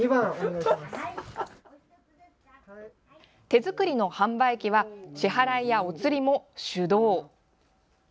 手作りの販売機は支払いやおつりも手動。